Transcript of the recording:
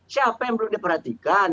siapa yang belum diperhatikan